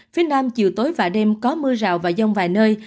phía nam chiều tối và đêm có mưa rào và rông vài nơi